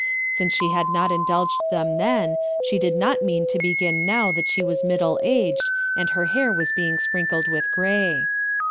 Since she had not indulged them then, she did not mean to begin now that she was middle aged and her hair was being sprinkled with gray.